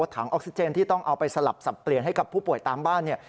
ถังออกซิเจนที่ต้องเอาไปสลับสับเปลี่ยนให้กับผู้ป่วยตามบ้านเนี่ย